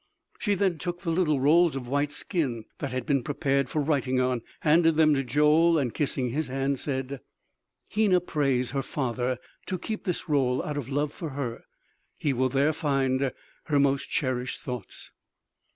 She then took the little rolls of white skin that had been prepared for writing on, handed them to Joel and kissing his hand said: "Hena prays her father to keep this roll out of love for her; he will there find her most cherished thoughts."